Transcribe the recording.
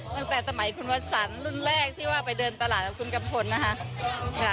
ตั้งแต่สมัยคุณวสันรุ่นแรกที่ว่าไปเดินตลาดกับคุณกัมพลนะคะ